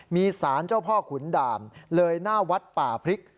มีสารเจ้าพ่อขุนด่านเลยหน้าวัดป่าพริก